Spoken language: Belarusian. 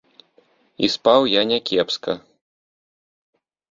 І спаў я някепска.